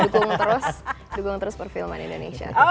dukung terus perfilman indonesia